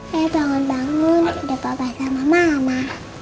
saya bangun bangun dari papa sama mama